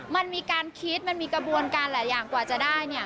มันมีการคิดมันมีกระบวนการหลายอย่างกว่าจะได้เนี่ย